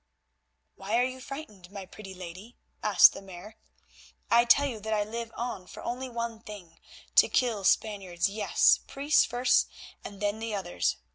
"Why are you frightened, my pretty lady?" asked the Mare. "I tell you that I live on for only one thing—to kill Spaniards, yes, priests first and then the others.